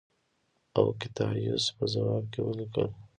اوکتایوس په ځواب کې ولیکل